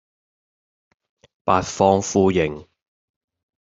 八方呼應